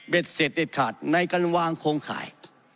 เสร็จเด็ดขาดในการวางโครงข่าย